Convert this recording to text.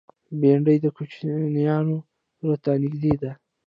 بېنډۍ د کوچنیانو زړه ته نږدې ده